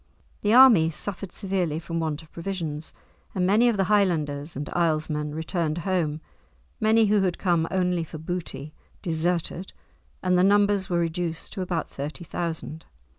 The army suffered severely from want of provisions, and many of the Highlanders and Isles men returned home, many who had come only for booty, deserted, and the numbers were reduced to about thirty thousand.